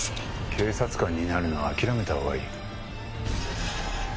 警察官になるのは諦めたほうがいい。